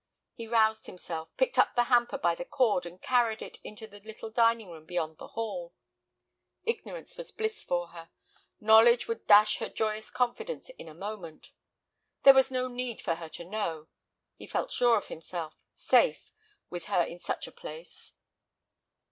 He roused himself, picked up the hamper by the cord, and carried it into the little dining room beyond the hall. Ignorance was bliss for her; knowledge would dash her joyous confidence in a moment. There was no need for her to know; he felt sure of himself, safe with her in such a place.